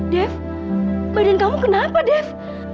dep badan kamu kenapa dep